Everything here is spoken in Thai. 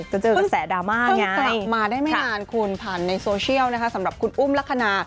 จะเจอกระแสดราม่าไงกลับมาได้ไม่นานคุณผ่านในโซเชียลนะคะสำหรับคุณอุ้มลักษณะ